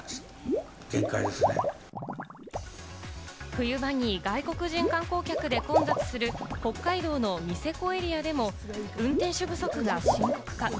冬場に外国人観光客で混雑する北海道のニセコエリアでも運転手不足が深刻化。